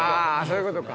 そういうことか。